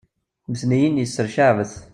letniyen yesser ceɛbet